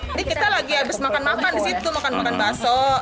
jadi kita lagi habis makan makan disitu makan makan baso